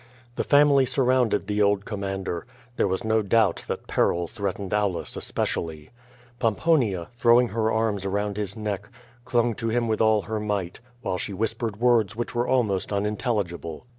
Tiio family surrounded the old commander. There was no doubt that peril threatened Aulus especially. Pomponia, throwing her anns about his neck, clung to him with all her might, while she whispered words which were almost unintelligible.